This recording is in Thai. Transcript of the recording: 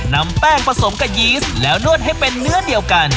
นำแป้งผสมกับยีสแล้วนวดให้เป็นเนื้อเดียวกัน